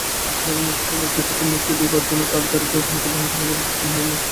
নলিনাক্ষ এই লজ্জিতাকে মুক্তি দিবার জন্য তাড়াতাড়ি ঘর হইতে বাহির হইবার উপক্রম করিল।